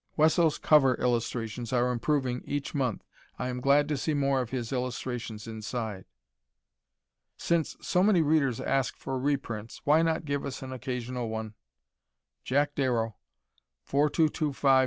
Wesso's cover illustrations are improving each month. I am glad to see more of his illustrations inside. Since so many readers ask for reprints, why not give us an occasional one? Jack Darrow, 4225 N.